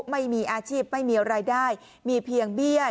ไม่มีอาชีพไม่มีรายได้มีเพียงเบี้ย